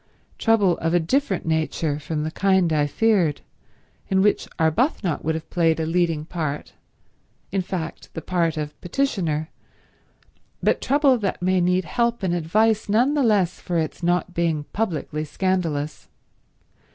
Trouble of a different nature from the kind I feared, in which Arbuthnot would have played a leading part, in fact the part of petitioner, but trouble that may need help and advice none the less for its not being publicly scandalous.